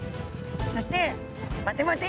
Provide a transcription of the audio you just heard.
そして「待て待てい！